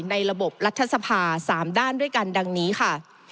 ในระบบรัฐสภา๓ด้านด้วยกันดังนี้ค่ะ